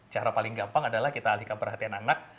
cara paling gampang adalah kita alihkan perhatian anak